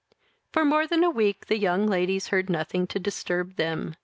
For more than a week the young ladies heard nothing to disturb them.